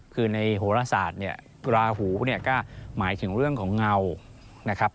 คือในโหลศาสตร์ราหูก็หมายถึงเรื่องของเงา